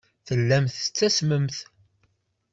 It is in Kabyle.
Tellamt tettasmemt.